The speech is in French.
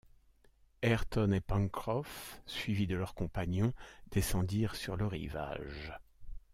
Ayrton et Pencroff, suivis de leurs compagnons, descendirent sur le rivage.